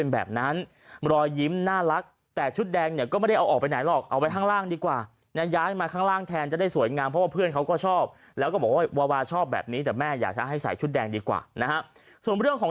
แบบนี้แต่แม่อยากจะให้ใส่ชุดแดงดีกว่านะส่วนเรื่องของ